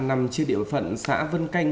nằm trên địa phận xã vân canh